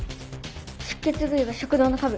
出血部位は食道の下部。